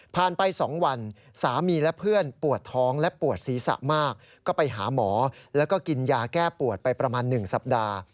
ไป๒วันสามีและเพื่อนปวดท้องและปวดศีรษะมากก็ไปหาหมอแล้วก็กินยาแก้ปวดไปประมาณ๑สัปดาห์